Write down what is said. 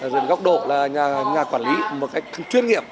dưới góc độ là nhà quản lý một cách chuyên nghiệp